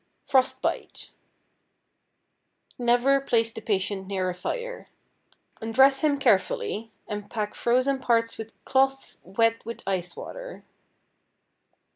=Frost Bite.= Never place the patient near a fire. Undress him carefully and pack frozen parts with cloths wet with ice water.